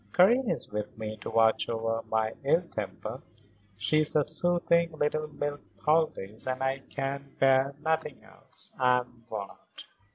Karen is with me to watch over my ill temper. She is a soothing little milk poultice and I can bear nothing else. I am worn out."